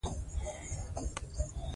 په دې یونلیک کې لیکوال د خپل ژوند تېرې.